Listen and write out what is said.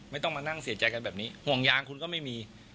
ไม่ต้องมานั่งเสียใจกันแบบนี้ห่วงยางคุณก็ไม่มี